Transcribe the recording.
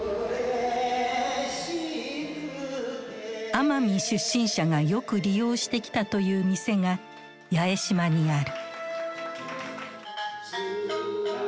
奄美出身者がよく利用してきたという店が八重島にある。